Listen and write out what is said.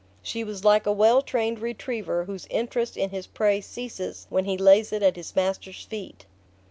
She was like a well trained retriever whose interest in his prey ceases when he lays it at his master's feet.